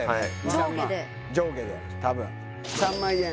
上下で上下で多分３万円